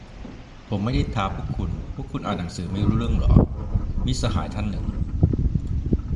"ผมไม่ได้ท้าพวกคุณ พวกคุณอ่านหนังสือไม่รู้เรื่องหรอ" - มิตรสหายท่านหนึ่ง